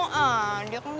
ngobe lain dia sekarang